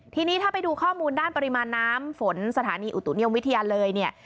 ทีนี้ถ้าไปดูข้อมูลด้านปริมาณน้ำฝนสถานีอุตุนิยมวิทยาเลยเนี่ย